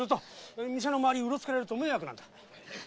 店の周りをうろつかれると迷惑なんだ。